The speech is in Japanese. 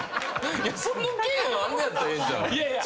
その券あんねやったらええんちゃうん？いやいや。